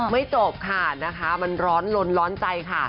ไม่จบค่ะมันร้อนรนร้อนใจค่ะ